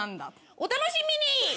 お楽しみに！